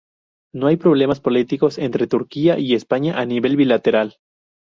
No hay problemas políticos entre Turquía y España a nivel bilateral.